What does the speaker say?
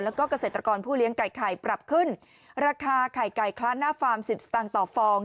แล้วก็เกษตรกรผู้เลี้ยงไก่ไข่ปรับขึ้นราคาไข่ไก่คละหน้าฟาร์ม๑๐สตางค์ต่อฟอง